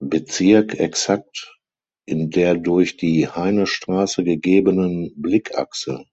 Bezirk exakt in der durch die Heinestraße gegebenen Blickachse.